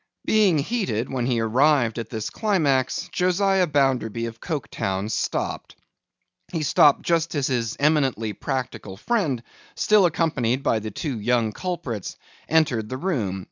Being heated when he arrived at this climax, Josiah Bounderby of Coketown stopped. He stopped just as his eminently practical friend, still accompanied by the two young culprits, entered the room.